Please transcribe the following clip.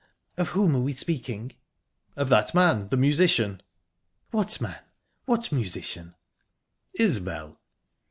Of whom are we speaking?" "Of that man. The musician." "What man? What musician?" "Isbel!..."